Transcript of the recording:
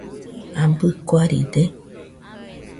¿Abɨ kuaride.?